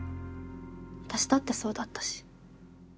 私だってそうだったし。